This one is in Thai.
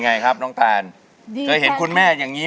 เงินอะไรมันเป็นเงินอะไร